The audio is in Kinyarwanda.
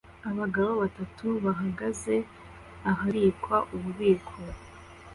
abagabo batatu bahagaze ahabikwa ububiko